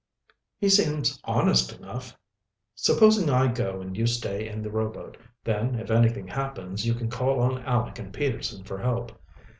"He seems honest enough." "Supposing I go and you stay in the rowboat? Then, if anything happens, you can call on Aleck and Peterson for help."